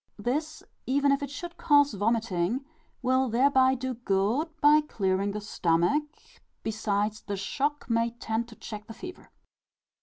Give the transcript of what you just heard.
This, even if it should cause vomiting, will thereby do good by clearing the stomach; besides, the shock may tend to check the fever.